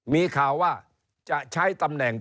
มีข่าวว่าจะใช้ตำแหน่ง